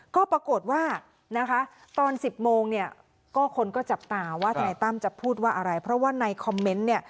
ก็ปรากฏว่านะคะตอน๑๐โมงเนี่ยก็คนก็จับตาว่าทนายตั้มจะพูดว่าอะไรเพราะว่าในคอมเมนต์เนี่ย